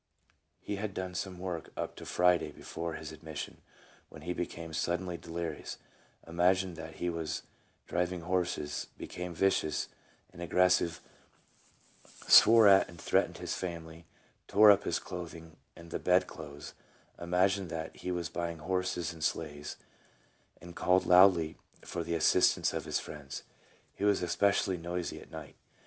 He had done some work up to Friday before his admis sion, when he became suddenly delirious, imagined that he was driving horses, became vicious and aggressive, swore at and threatened his family, tore up his clothing and the bed clothes, imagined that he was buying horses and sleighs, and called loudly for the assistance of his friends. He was especially noisy at night.